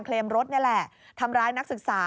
โปรดติดตามต่อไป